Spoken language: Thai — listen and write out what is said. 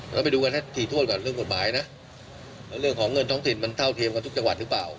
เราไปดูกันให้ถี่ถ้วนก่อนเรื่องกฎหมายนะแล้วเรื่องของเงินท้องถิ่นมันเท่าเทียมกับทุกจังหวัดหรือเปล่า